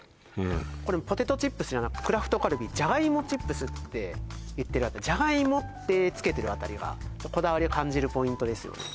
これポテトチップスじゃなくてＣＲＡＦＴＣａｌｂｅｅじゃがいもチップスじゃがいもってつけてるあたりがこだわりを感じるポイントですよね